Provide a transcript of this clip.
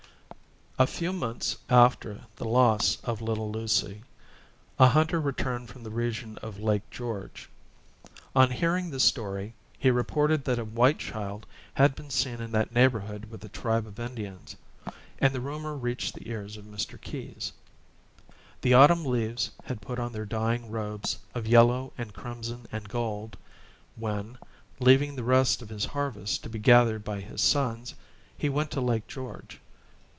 A few months after the loss of little Lucy, a hunter returned from the region of Lake George. On hearing the story, he reported that a white child had been seen in that neighborhood with a tribe of Indians; and the rumor reached the ears of Mr. Keyes. The autumn leaves had put on their dying robes of yellow and crimson and gold when, leaving the rest of his harvest to be gathered by his sons, he went to Lake George.